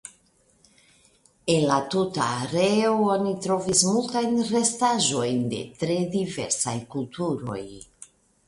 En la tuta areo oni trovis multajn restaĵojn de tre diversaj kulturoj.